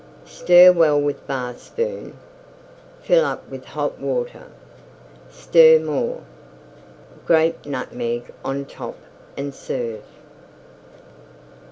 Stir well with Bar spoon; fill up with Hot Water; stir more; grate Nutmeg on top and serve.